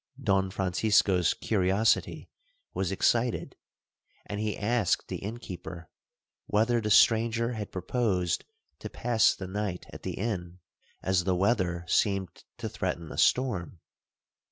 Don Francisco's curiosity was excited, and he asked the innkeeper, whether the stranger had proposed to pass the night at the inn, as the weather seemed to threaten a storm?